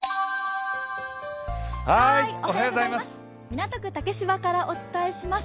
港区竹芝からお伝えします。